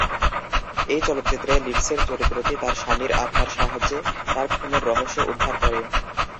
এই চলচ্চিত্রে লিডসের চরিত্রটি তার স্বামীর আত্মার সাহায্যে তার খুনের রহস্য উদ্ধার করে।